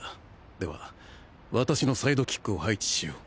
では私のサイドキックを配置しよう。